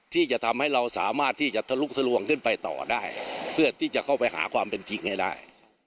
ที่จะทำให้เราสามารถที่จะทะลุกสลวงขึ้นไปต่อได้เพื่อที่จะเข้าไปหาความเป็นจริงให้ได้